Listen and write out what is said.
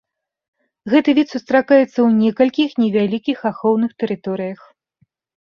Гэты від сустракаецца ў некалькіх невялікіх ахоўных тэрыторыях.